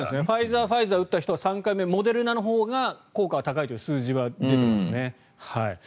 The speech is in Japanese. ファイザー、ファイザーを打った人は３回目はモデルナを打ったほうが効果が高いという数値は出ていますね。